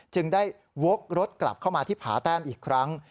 จึงได้วกรถกลับเข้ามาที่ผาแต้มอีกครั้ง